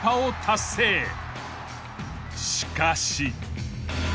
しかし。